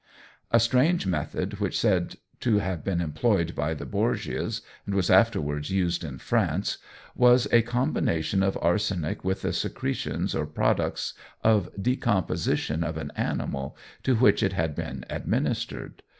A strange method, which said to have been employed by the Borgias, and was afterwards used in France, was a combination of arsenic with the secretions or products of decomposition of an animal to which it had been administered.